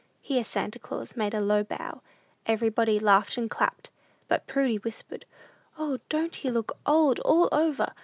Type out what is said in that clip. (Here Santa Claus made a low bow. Everybody laughed and clapped; but Prudy whispered, "O, don't he look old all over?